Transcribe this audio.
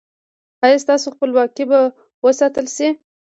ایا ستاسو خپلواکي به وساتل شي؟